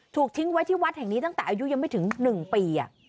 ถูกทิ้งไว้ที่วัดแห่งนี้ตั้งแต่อายุยังไม่ถึง๑ปี